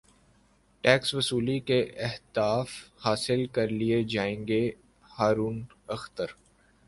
tax وصولی کے اہداف حاصل کرلئے جائیں گے ہارون اختر